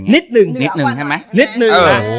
นิดนึงนิดนึงใช่ไหมนิดนึงนะ